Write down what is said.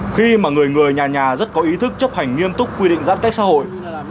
khi mà người người nhà nhà rất có ý thức chấp hành nghiêm túc quy định giãn cách xã hội